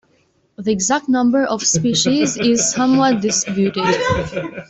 The exact number of species is somewhat disputed.